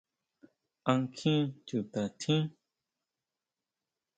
¿A nkjin chuta tjín?